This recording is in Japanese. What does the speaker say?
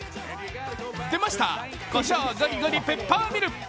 出ました、こしょうゴリゴリペッパーミル！